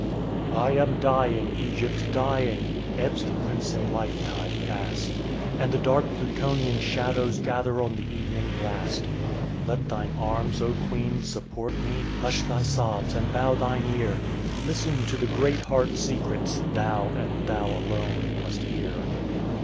"I am dying, Egypt, dying! Ebbs the crimson life tide fast, And the dark Plutonian shadows Gather on the evening blast. Let thine arms, O Queen, support me, Hush thy sobs and bow thine ear; Listen to the great heart secrets Thou, and thou alone, must hear.